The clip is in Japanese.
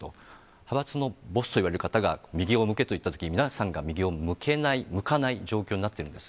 派閥のボスといわれる方が右を向けと言ったときに、皆さんが右を向けない、向かない状況になってるんです。